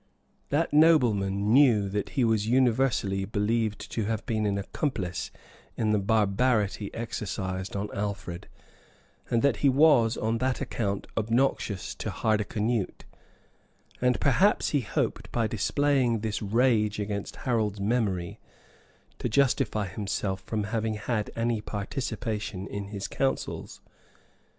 That nobleman knew that he was universally believed to have been an accomplice in the barbarity exercised on Alfred, and that he was on that account obnoxious to Hardicanute; and perhaps he hoped, by displaying this rage against Harold's memory, to justify himself from having had any participation in his counsels.